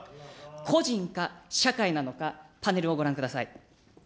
個人か、社会なのか、パネルをご覧ください。